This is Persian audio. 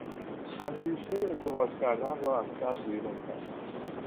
اندیشهی ازدواج کردن را از سر بیرون کرد.